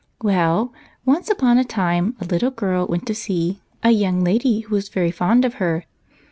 " Well, once apon a time, a little girl went to see a young lady who was very fond of her.